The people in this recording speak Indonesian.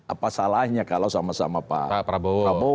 apa salahnya kalau sama sama pak prabowo